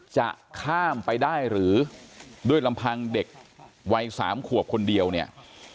จะข้ามไปได้หรือด้วยลำพังเด็กวัย๓ขวบคนเดียวเนี่ย